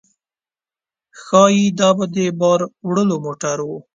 ښايي دا به د بار وړلو موټر و.